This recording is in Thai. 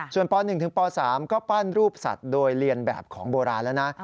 ส่วนป๑ถึงป๓ก็ปั้นรูปสัตว์โดยเรียนแบบของโบราณแล้วนะ